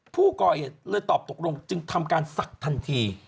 ผู้หญิงก็ตอบตกลงจึงทำการศักดิ์ทันที